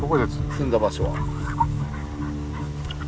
積んだ場所は。